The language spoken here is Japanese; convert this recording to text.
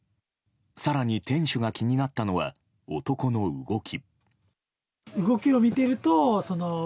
更に店主が気になったのは男の動き。